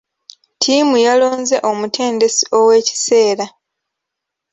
Ttiimu yalonze omutendesi ow'ekiseera.